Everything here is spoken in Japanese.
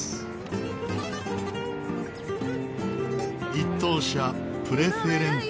一等車プレフェレンテ。